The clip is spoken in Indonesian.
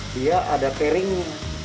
dia ada pairingnya